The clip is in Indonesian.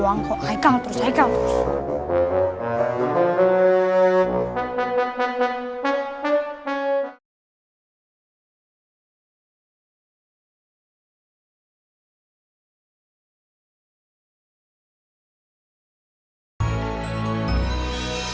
luang kok haikal terus haikal terus